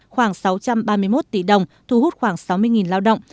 khoảng sáu trăm ba mươi một tỷ đồng thu hút khoảng sáu mươi lao động